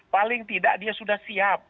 paling tidak dia sudah siap